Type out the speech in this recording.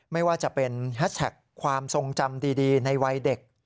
ไม่ว่าจะเป็นแฮชแท็กความทรงจำดีในวัยเด็ก